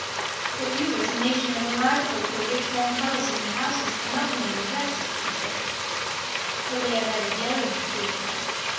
"But you, as a nation, are remarkable for rich warm colors in your houses and often in your dress," I said. "But they are never glaring," she replied.